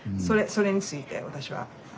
それについて私は。